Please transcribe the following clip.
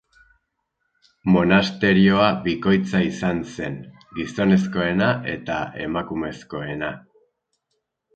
Monasterioa bikoitza izan zen, gizonezkoena eta emakumezkoena.